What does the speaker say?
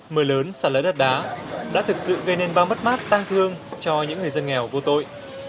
mưa lớn sạt lở đất đá đã thực sự gây nên bao mất mát tăng thương cho những người dân nghèo vô tội